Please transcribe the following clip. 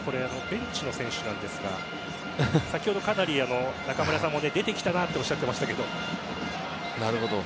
ベンチの選手なんですが先ほど、かなり中村さんも「出てきたな」とおっしゃってましたけど。